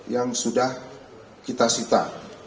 yang sudah kita sita